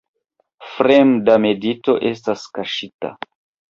Fremda medito estas kaŝita.